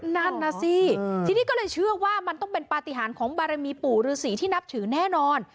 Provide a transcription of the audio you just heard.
นั่นน่ะสิทีนี้ก็เลยเชื่อว่ามันต้องเป็นปฏิหารของบารมีปู่ฤษีที่นับถือแน่นอน